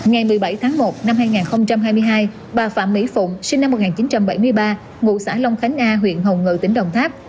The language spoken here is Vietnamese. ngày một mươi bảy tháng một năm hai nghìn hai mươi hai bà phạm mỹ phụng sinh năm một nghìn chín trăm bảy mươi ba ngụ xã long khánh a huyện hồng ngự tỉnh đồng tháp